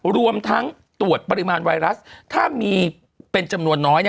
รวมทั้งตรวจปริมาณไวรัสถ้ามีเป็นจำนวนน้อยเนี่ย